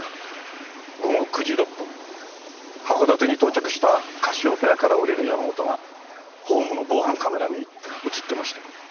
午後９時６分函館に到着したカシオペアから降りる山本がホームの防犯カメラに映ってました。